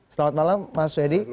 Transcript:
selamat malam mas soeidi